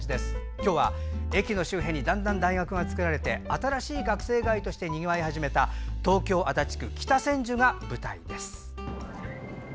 今日は、駅の周辺にだんだん大学が作られて新しい学生街としてにぎわい始めた東京・足立区北千住が舞台です。